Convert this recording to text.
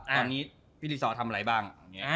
นะที่ที่ที่ซาทำอะไรบ้าง